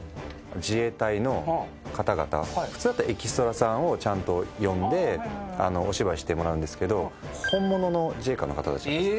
普通だったらエキストラさんをちゃんと呼んでお芝居してもらうんですけど本物の自衛官の方たちなんです。